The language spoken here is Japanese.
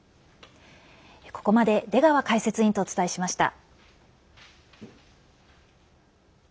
ここまで出川解説委員とお伝えしました。